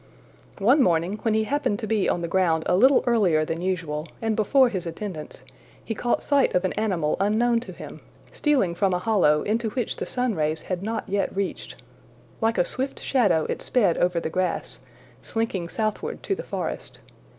One morning, when he happened to be on the ground a little earlier than usual, and before his attendants, he caught sight of an animal unknown to him, stealing from a hollow into which the sunrays had not yet reached. Like a swift shadow it sped over the grass, slinking southward to the forest.